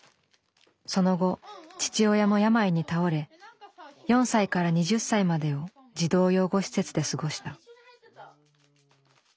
その後父親も病に倒れ４歳から２０歳までを児童養護施設で過ごした。